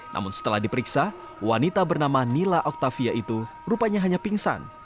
namun setelah diperiksa wanita bernama nila octavia itu rupanya hanya pingsan